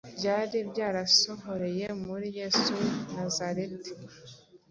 byari byarasohoreye muri Yesu w’i Nazareti.